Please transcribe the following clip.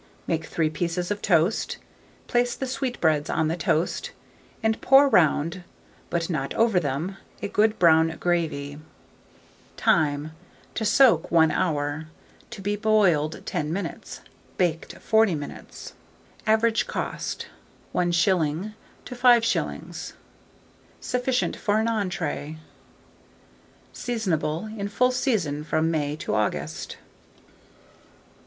Make 3 pieces of toast; place the sweetbreads on the toast, and pour round, but not over them, a good brown gravy. Time. To soak 1 hour, to be boiled 10 minutes, baked 40 minutes. Average cost, 1s. to 5s. Sufficient for an entrée. Seasonable. In full season from May to August.